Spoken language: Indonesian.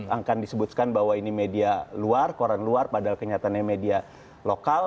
akan disebutkan bahwa ini media luar koran luar padahal kenyataannya media lokal